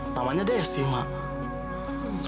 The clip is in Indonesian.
namanya desi mak